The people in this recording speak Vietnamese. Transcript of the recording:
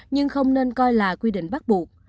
nhưng không nên coi là quy định bắt buộc